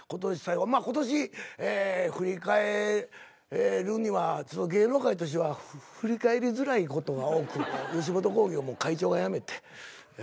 今年振り返るには芸能界としては振り返りづらいことが多く吉本興業も会長が辞めて。